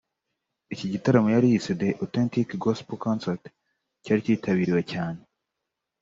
Iki gitaramo yari yise ‘The Authentic Gospel Concert’ cyaritabiriwe cyane